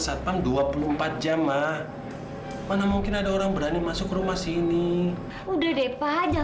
sampai jumpa di video selanjutnya